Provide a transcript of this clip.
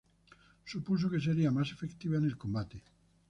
Supuso que sería más efectiva en el combate.